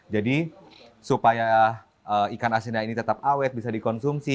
jadi supaya ikan asinnya ini tetap awet bisa dikonsumsi